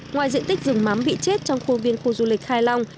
ngoài diện tích rừng mắm bị chết trong khuôn viên khu du lịch khai long